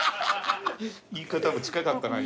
言い方も近かったな。